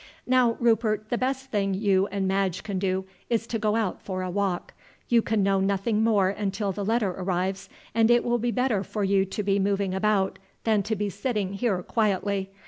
"Now, Rupert, the best thing you and Madge can do is to go out for a walk. You can know nothing more until the letter arrives, and it will be better for you to be moving about than to be sitting here quietly.